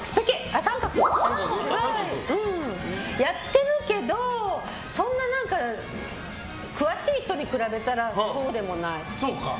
やってるけど、そんな何か詳しい人に比べたらそうでもないかな。